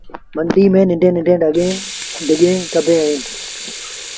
منڊيٚ ميݩ ننڍيٚݩ ننڍيٚݩ ڍڳليٚن ڪبيٚن اوهيݩ